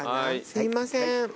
すいません。